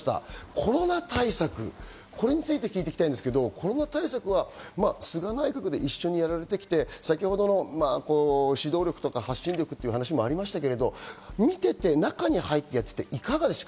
コロナ対策、これについて聞いていきたいんですけど、コロナ対策は菅内閣で一緒にやられてきて指導力とか発信力というふうな話もありましたけど、見ていて中に入っていてどうでしたか？